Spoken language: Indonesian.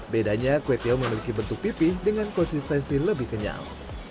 bedanya kue tiong memiliki bentuk pipih dengan konsistensi lebih kenyal